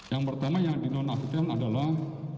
yang pertama yang dinonaksikan adalah